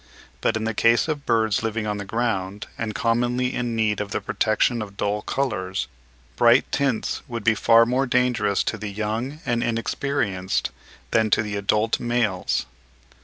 But in the case of birds living on the ground and commonly in need of the protection of dull colours, bright tints would be far more dangerous to the young and inexperienced than to the adult males.